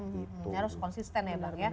menyerap konsisten ya